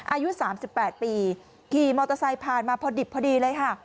อายุ๓๘ปีขี่มอเตอร์ไซค์ผ่านมาพอดิบพอดีเลยค่ะ